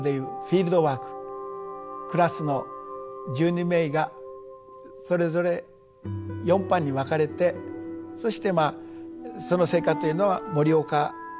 クラスの１２名がそれぞれ４班に分かれてそしてまあその成果というのは盛岡付近の地質図ということで。